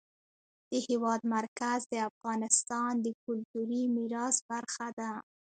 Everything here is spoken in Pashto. د هېواد مرکز د افغانستان د کلتوري میراث برخه ده.